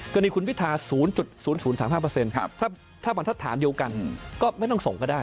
กรณีคุณพิทา๐๐๓๕ถ้าบรรทัศน์เดียวกันก็ไม่ต้องส่งก็ได้